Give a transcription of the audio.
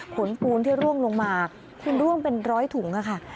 ขนปูนที่ร่วงลงมาร่วมเป็นร้อยถุงค่ะค่ะ